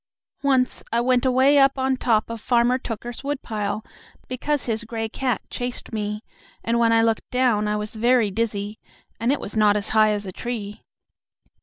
Once I went away up on top of Farmer Tooker's woodpile, because his gray cat chased me, and when I looked down I was very dizzy, and it was not as high as a tree."